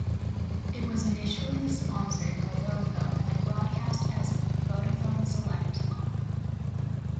It was initially sponsored by Vodafone and broadcast as Vodafone Select Live.